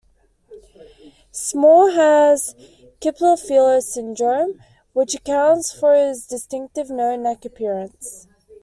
Small has Klippel-Feil syndrome, which accounts for his distinctive "no neck" appearance.